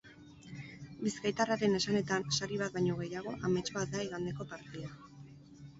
Bizkaitarraren esanetan sari bat baino gehiago amets bat da igandeko partida.